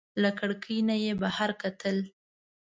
له کړکۍ نه یې بهر کتل.